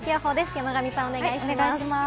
山神さん、お願いします。